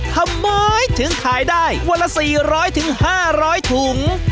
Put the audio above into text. ทำไมถึงขายได้วันละ๔๐๐๕๐๐ถุง